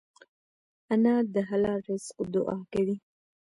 انا د حلال رزق دعا کوي